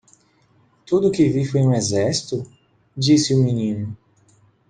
"Tudo o que vi foi um exército?" disse o menino.